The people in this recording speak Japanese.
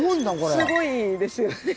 すごいですよね。